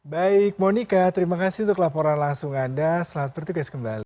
baik monika terima kasih untuk laporan langsung anda selamat bertugas kembali